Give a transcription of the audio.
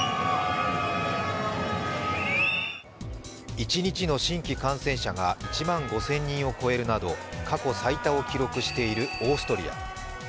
一日の新規感染者が１万５０００人を超えるなど過去最多を記録しているオーストリア。